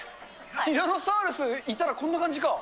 ティラノサウルスいたらこんな感じか。